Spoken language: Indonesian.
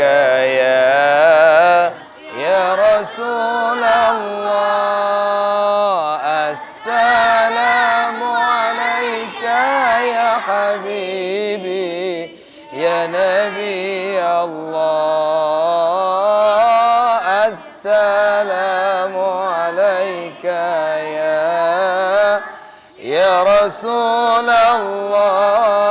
assalamualaikum warahmatullahi wabarakatuh